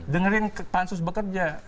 dengerin pansus bekerja